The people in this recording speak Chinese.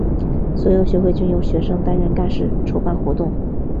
所有学会均由学生担任干事筹办活动。